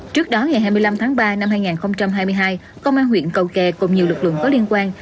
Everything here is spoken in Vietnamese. trước đó ngày hai mươi năm tháng ba năm hai nghìn hai mươi hai công an huyện cầu kè cùng nhiều lực lượng có liên quan